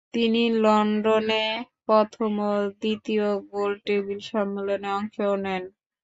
তিনি লন্ডনে প্রথম ও দ্বিতীয় গোল টেবিল সম্মেলনে অংশ নেন।